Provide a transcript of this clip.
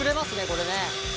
これね。